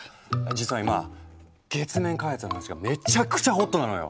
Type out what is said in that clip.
実は今月面開発の話がめちゃくちゃホットなのよ！